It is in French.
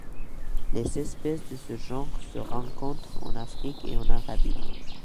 Les espèces de ce genre se rencontrent en Afrique et en Arabie.